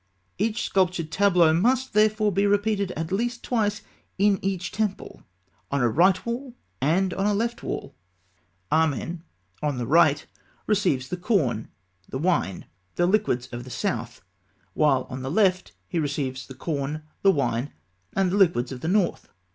Each sculptured tableau must, therefore, be repeated at least twice in each temple on a right wall and on a left wall. Amen, on the right, receives the corn, the wine, the liquids of the south; while on the left he receives the corn, the wine, and the liquids of the north.